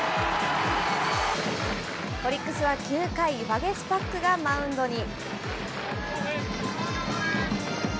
オリックスは９回、ワゲスパックがマウンドに。